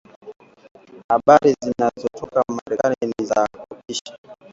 habari zinazotoka Marekani ni za kutisha